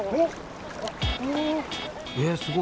えすごい。